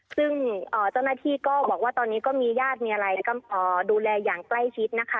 ซึ่งเจ้าหน้าที่ก็บอกว่าตอนนี้ก็มีญาติมีอะไรดูแลอย่างใกล้ชิดนะคะ